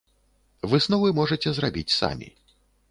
Высновы можаце зрабіць самі.